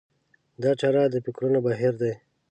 دا چاره د فکرونو بهير دی.